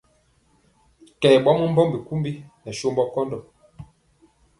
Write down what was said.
Kɛ ɓɔmɔ mbɔmbi kumbi nɛ sombɔ kɔndɔ.